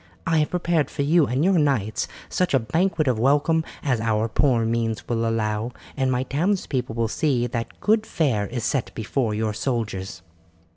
I have prepared for you and your knights such a banquet of welcome as our poor means will allow, and my townspeople will see that good fare is set before your soldiers."